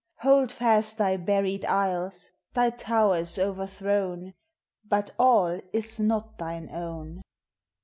Hold fast thy buried isles, ' thy towers o'er thrown, — But all is not thine own.